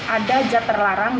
ada zat terlarang